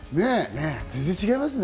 全然違いますね。